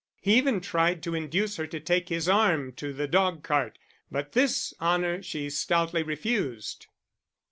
He even tried to induce her to take his arm to the dog cart, but this honour she stoutly refused.